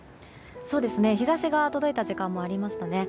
日差しが届いた時間もありましたね。